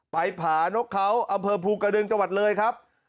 ผานกเขาอำเภอภูกระดึงจังหวัดเลยครับ